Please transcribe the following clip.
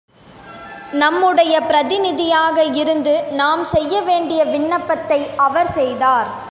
நம்முடைய பிரதிநிதியாக இருந்து நாம் செய்ய வேண்டிய விண்ணப்பத்தை அவர் செய்தார்.